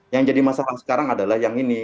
yang jadi masalah sekarang adalah yang ini